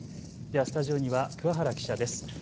ではスタジオには桑原記者です。